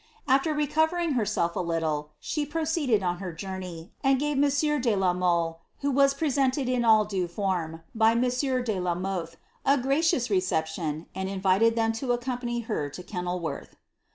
* After recovering herself a little, she pro * led on her journey, and gave monsieur de la Mole, who was pre ed in all due form, by monsieur de la Mothe, a gracious reception, invited them to accompany her to Kenil worth.